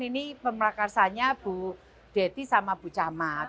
ini pemerikasanya bu dety sama bu camat